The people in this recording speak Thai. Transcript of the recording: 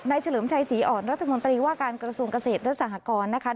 เฉลิมชัยศรีอ่อนรัฐมนตรีว่าการกระทรวงเกษตรและสหกรณ์นะคะ